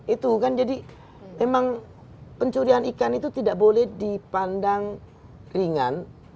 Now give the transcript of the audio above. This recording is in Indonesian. itu kan jadi memang pencurian ikan itu tidak boleh dipandang ringan